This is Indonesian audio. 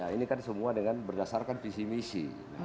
ini kan semua dengan berdasarkan visi misi